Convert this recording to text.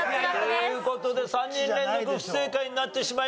という事で３人連続不正解になってしまいました。